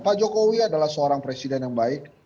pak jokowi adalah seorang presiden yang baik